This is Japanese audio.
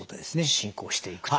進行していくと。